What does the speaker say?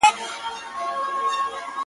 چنګ دي کم رباب دي کم سارنګ دي کم؛